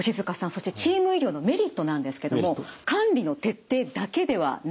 そしてチーム医療のメリットなんですけども管理の徹底だけではないんです。